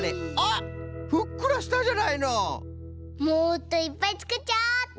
もっといっぱいつくっちゃおっと。